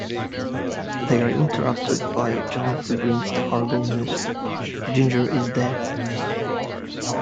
They are interrupted by John who brings the horrible news - Ginger is dead.